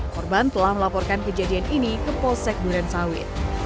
korban telah melaporkan kejadian ini ke polsek durensawi